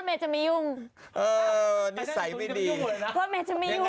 ไม่ใช่นั่นไง